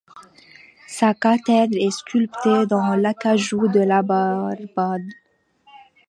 Sa cathèdre est sculptée dans l'acajou de la Barbade.